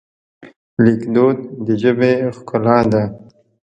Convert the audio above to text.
لیکدود د ژبې ښکلا ده.